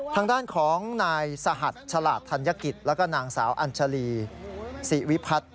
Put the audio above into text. ทางด้านของนายสหัสฉลาดธัญกิจแล้วก็นางสาวอัญชาลีสิริวิพัฒน์